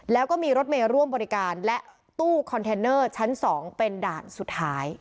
แล้วก็มีรถเมย์ร่วมบริการและตู้คอนเทนเนอร์ชั้น๒เป็นด่านสุดท้าย